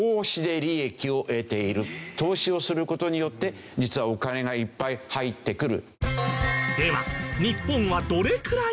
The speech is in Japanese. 投資をする事によって実はお金がいっぱい入ってくる。